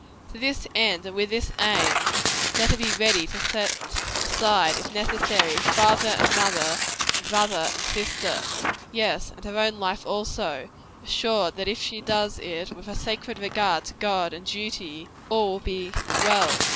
To this end and with this aim, let her be ready to set aside, if necessary, father and mother, and brother and sister yes, and her own life also, assured that if she does it with a sacred regard to God and duty, all will be well.